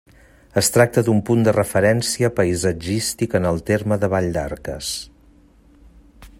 Es tracta d'un punt de referència paisatgístic en el terme de Valldarques.